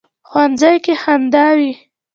ښوونځی کې خندا وي